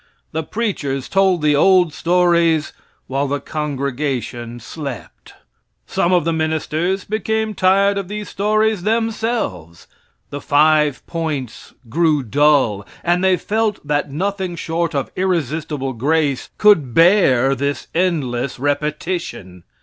The preachers told the old stories while the congregation slept. Some of the ministers became tired of these stories themselves. The five points grew dull, and they felt that nothing short of irresistible grace could bear this endless repetition.